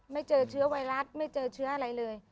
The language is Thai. ไม่เจอเชื้อไวรัสไม่เจอเชื้ออะไรเลย